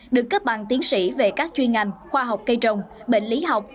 được cấp bằng tiến sĩ về các chuyên ngành khoa học cây trồng bệnh lý học